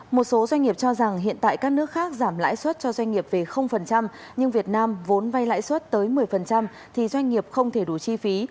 một số doanh nghiệp cho rằng hiện tại các nước khác giảm lãi suất cho doanh nghiệp về nhưng việt nam vốn vay lãi suất tới một mươi thì doanh nghiệp không thể đủ chi phí